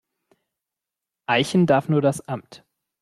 Eichen darf nur das Amt.